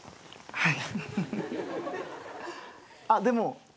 はい。